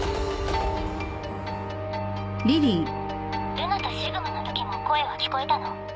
ルナとシグマのときも声は聞こえたの？